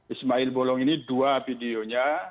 ismail bolong ini dua videonya